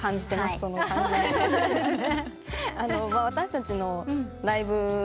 私たちのライブ。